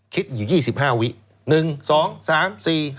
คิดอยู่๒๕วิ